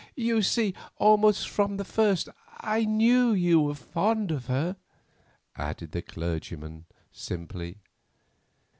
You see, almost from the first I knew you were fond of her," added the clergyman simply.